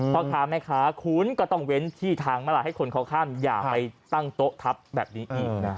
พ่อค้าแม่ค้าคุณก็ต้องเว้นที่ทางมาลายให้คนเขาข้ามอย่าไปตั้งโต๊ะทับแบบนี้อีก